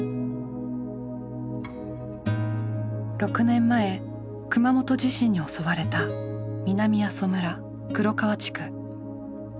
６年前熊本地震に襲われた南阿蘇村黒川地区。